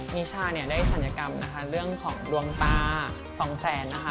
มิชาได้ศัลยกรรมเรื่องของลวงตา๒๐๐๐๐๐บาท